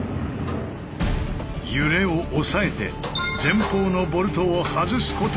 揺れを抑えて前方のボルトを外すことに成功！